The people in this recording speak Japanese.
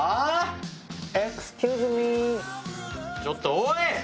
ちょっとおい！